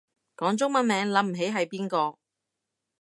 講中文名諗唔起係邊個